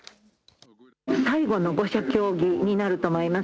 最後の５者協議になると思います。